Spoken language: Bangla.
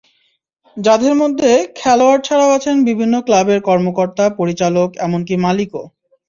যাঁদের মধ্যে খেলোয়াড় ছাড়াও আছেন বিভিন্ন ক্লাবের কর্মকর্তা, পরিচালক এমনকি মালিকও।